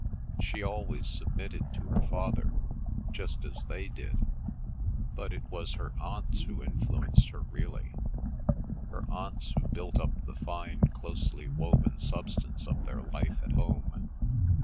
She always submitted to her father, just as they did, but it was her aunts who influenced her really; her aunts who built up the fine, closely woven substance of their life at home.